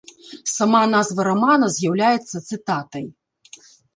Сама назва рамана з'яўляецца цытатай.